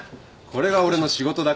これが俺の仕事だから。